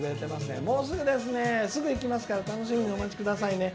もうすぐですねすぐ行きますから楽しみにお待ちくださいね。